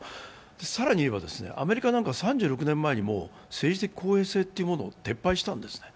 更に言えば、アメリカなんかは３６年前に政治的公平性というものを撤廃したんですね。